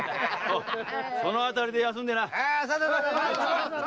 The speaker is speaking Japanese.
その辺りで休んでな！